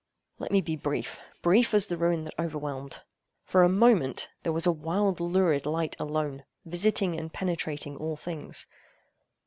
Let me be brief—brief as the ruin that overwhelmed. For a moment there was a wild lurid light alone, visiting and penetrating all things.